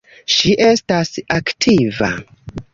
Ŝi estas aktiva.